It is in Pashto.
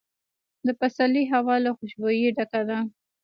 د پسرلي هوا له خوشبویۍ ډکه ده.